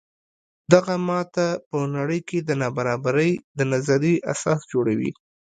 دغه ماته په نړۍ کې د نابرابرۍ د نظریې اساس جوړوي.